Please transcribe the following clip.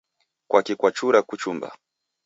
Kwaki kwachura kuchumba?